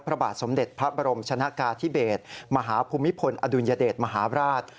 พระบาทสมเด็จพระบรมชนะกาธิเบศมหาภูมิพลอดุลยเดชมหาบราช